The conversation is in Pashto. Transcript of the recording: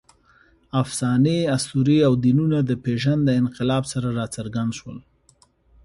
افسانې، اسطورې او دینونه د پېژند له انقلاب سره راڅرګند شول.